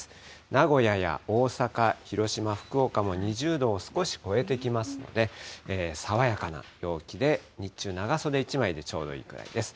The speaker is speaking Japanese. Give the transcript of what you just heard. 名古屋や大阪、広島、福岡も２０度を少し超えてきますので、爽やかな陽気で、日中、長袖１枚でちょうどいいくらいです。